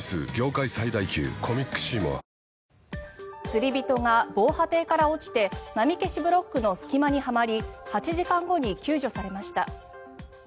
釣り人が防波堤から落ちて波消しブロックの隙間にはまり８時間後に救助されました。